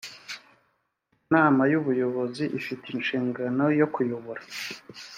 inama y ubuyobozi ifite inshingano yo kuyobora